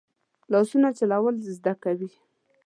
لاسونه چلول زده کوي